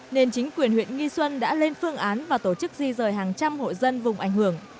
nên chính quyền huyện nghi xuân đã lên phương án và tổ chức di rời hàng trăm hộ dân vùng ảnh hưởng